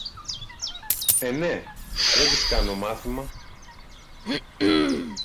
Ε, ναι! δεν τους κάνω μάθημα!